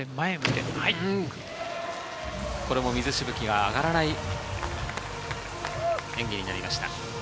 これも水しぶきが上がらない演技になりました。